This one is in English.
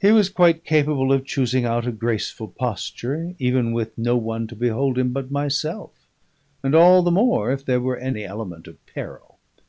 He was quite capable of choosing out a graceful posture, even with no one to behold him but myself, and all the more if there were any element of peril.